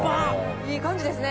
いい感じですね。